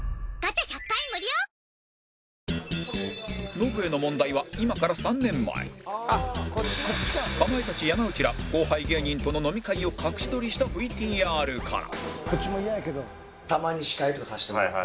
ノブへの問題はかまいたち山内ら後輩芸人との飲み会を隠し撮りした ＶＴＲ から